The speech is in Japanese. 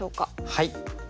はい。